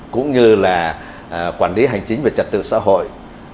cũng như là quản lý hành chính về trật tự xã hội